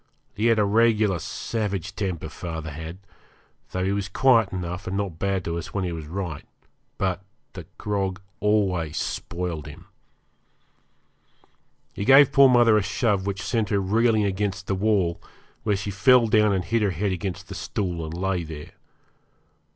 He had a regular savage temper, father had, though he was quiet enough and not bad to us when he was right. But the grog always spoiled him. He gave poor mother a shove which sent her reeling against the wall, where she fell down and hit her head against the stool, and lay there.